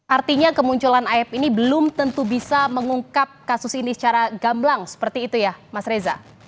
artinya kemunculan ayap ini belum tentu bisa mengungkap kasus ini secara gamblang seperti itu ya mas reza